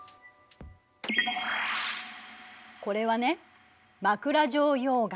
これはね枕状溶岩。